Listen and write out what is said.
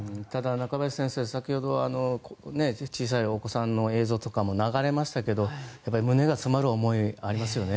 中林先生、先ほど小さいお子さんの映像とかも流れましたが胸が詰まる思いがありますね。